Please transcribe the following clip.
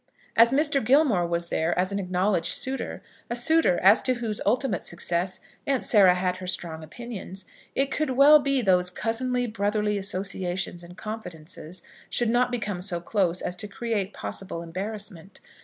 As Mr. Gilmore was there as an acknowledged suitor, a suitor, as to whose ultimate success Aunt Sarah had her strong opinions, it would be well those cousinly brotherly associations and confidences should not become so close as to create possible embarrassment.